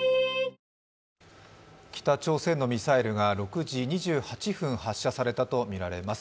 北朝鮮のミサイルが６時２８分に発射されたとみられます。